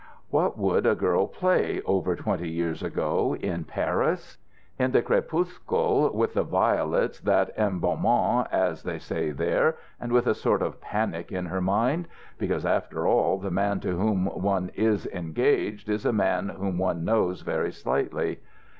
"What would a girl play, over twenty years ago, in Paris? In the crépuscule, with the lilacs that embaument, as they say there, and with a sort of panic in her mind? Because, after all, the man to whom one is engaged is a man whom one knows very slightly."